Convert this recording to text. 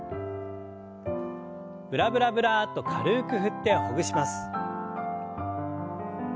ブラブラブラッと軽く振ってほぐします。